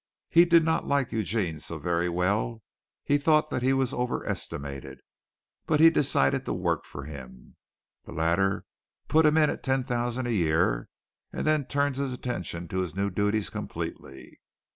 He did not like Eugene so very well he thought that he was over estimated but he decided to work for him. The latter put him in at ten thousand a year and then turned his attention to his new duties completely.